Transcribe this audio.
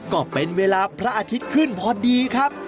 ก็เป็นเวลาพระอาทิตย์ขึ้นพอดีครับ